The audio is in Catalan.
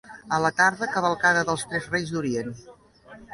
A la tarda, cavalcada dels Tres Reis d'Orient.